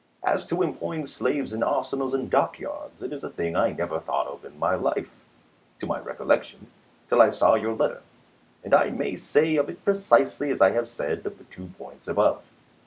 As to employing slaves in arsenals and dock yards, it is a thing I never thought of in my life, to my recollection, till I saw your letter ; and I may say of it precisely as I have said of the two points above.